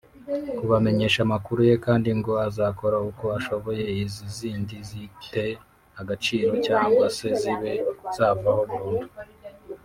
kubamenyesha amakuru ye kandi ngo azakora uko ashoboye izi zindi zite agaciro cyangwase zibe zavaho burundu